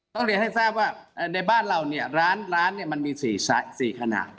ต้องเรียนให้ทราบว่าในบ้านเราเนี่ยร้านมันมี๔ขนาด